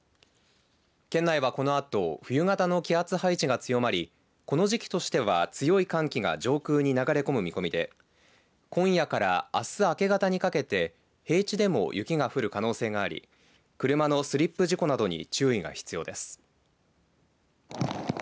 県内は、このあと冬型の気圧配置が強まりこの時期としては強い寒気が上空に流れ込む見込みで今夜から、あす明け方にかけて平地でも雪が降る可能性があり車のスリップ事故などに注意が必要です。